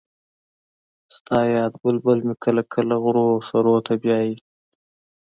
ستا یاد بلبل مې کله کله غرو سرو ته بیايي